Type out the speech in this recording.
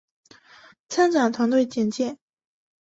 参展团队简介